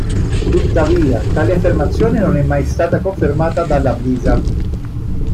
Tuttavia tale affermazione non è mai stata confermata dalla Blizzard.